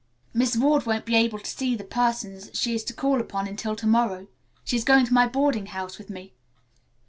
Miss Ward won't be able to see the persons she is to call upon until to morrow. She's going to my boarding house with me.